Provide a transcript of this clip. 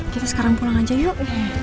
kita sekarang pulang aja yuk